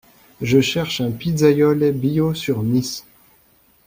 Je cherche un pizzaiole bio sur Nice.